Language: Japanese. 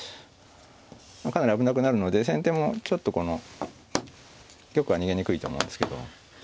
かなり危なくなるので先手もちょっとこの玉は逃げにくいと思うんですけど。